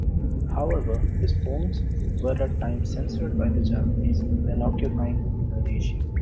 However, his poems were at times censored by the Japanese, then occupying Indonesia.